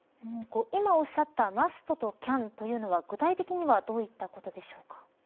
今おっしゃったマストとキャンというのは具体的にはどういったことでしょうか。